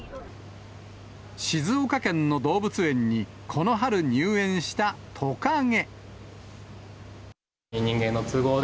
静岡県の動物園に、この春、入園したトカゲ。